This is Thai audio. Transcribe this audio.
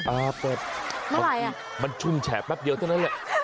เปิดบางทีมันชุ่มแฉแป๊บเดียวเท่านั้นแหละ